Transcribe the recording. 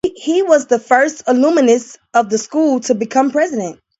He was the first alumnus of the school to become president.